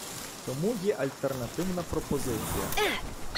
Тому є альтернативна пропозиція.